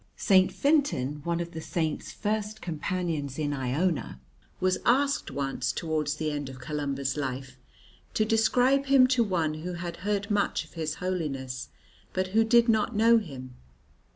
St. Fintan, one of the Saint's first companions in Iona, was asked once towards the end of Columba's life to describe him to one who had heard much of his holiness, but who did not know him.